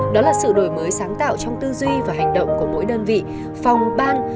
đó là sự đổi mới sáng tạo trong tư duy và hành động của mỗi đơn vị phòng ban